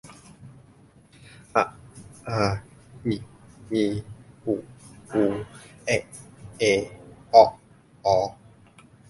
อะ อา อิ อี อุ อู เอะ เอ เอาะ ออ